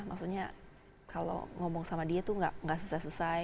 maksudnya kalau ngomong sama dia itu tidak sesay sesay